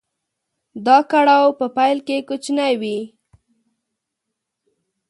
دا کړاو په پيل کې کوچنی وي.